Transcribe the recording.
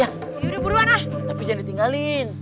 yaudah buruan ah tapi jangan ditinggalin